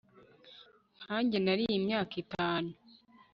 nkanjye nariye imyaka itanu